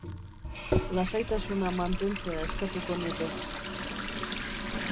Lasaitasuna mantentzea eskatuko nuke.